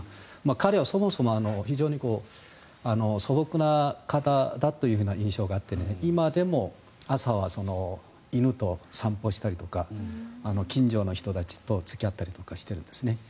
彼はそもそも非常に素朴な方だという印象があって今でも朝は犬と散歩したりとか近所の人たちと付き合ったりとかしているんですね。